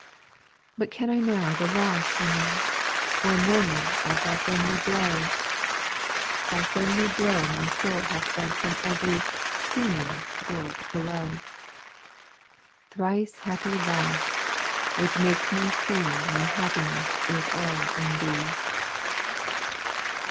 4. But can I now the loss lament, Or murmur at Thy friendly blow ? Thy friendly blow my soul hath rent From ev'ry seeming good below : Thrice happy loss I which makes me see My happiness is all in Thee.